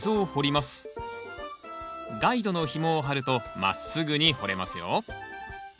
ガイドのひもを張るとまっすぐに掘れますよ。